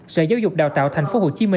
sở giáo dục đào tạo tp hcm